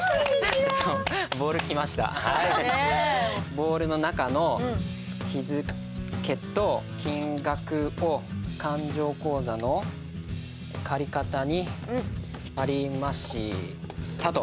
ボールの中の日付と金額を勘定口座の借方に貼りましたと。